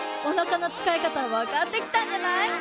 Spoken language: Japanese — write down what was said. おなかの使いかたわかってきたんじゃない？